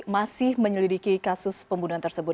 masih menyelidiki kasus pembunuhan tersebut